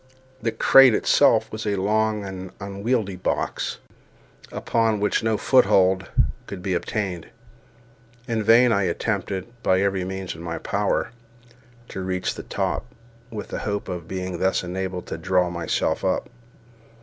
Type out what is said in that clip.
The crate itself was a long and unwieldy box, upon which no foothold could be obtained. In vain I attempted, by every means in my power, to reach the top, with the hope of being thus enabled to draw myself up.